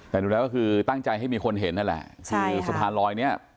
แต่ดูแล้วก็คือตั้งใจให้มีคนเห็นนั่นแหละคือสะพานลอยเนี้ย